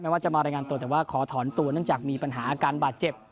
ว่าจะมารายงานตัวแต่ว่าขอถอนตัวเนื่องจากมีปัญหาอาการบาดเจ็บ